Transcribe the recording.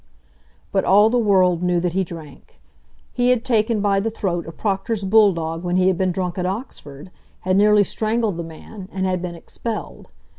But all the world knew that he drank. He had taken by the throat a proctor's bull dog when he had been drunk at Oxford, had nearly strangled the man, and had been expelled.